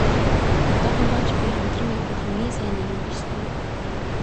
Одоохондоо ч би хамтран явахад хамгийн сайн нэгэн биш дээ.